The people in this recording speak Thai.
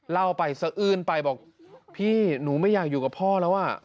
เล่าไปสะอื้นไปบอกพี่หนูไม่อยากอยู่กับพ่อแล้วอ่ะ